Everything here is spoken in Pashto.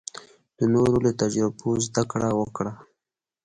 د نورو له تجربو زده کړه وکړه.